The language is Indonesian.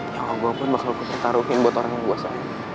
yang aku pun bakal gue pertaruhin buat orang yang kuasa